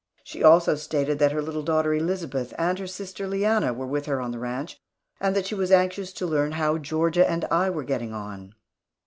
She also stated that her little daughter Elisabeth and her sister Leanna were with her on the ranch, and that she was anxious to learn how Georgia and I were getting on.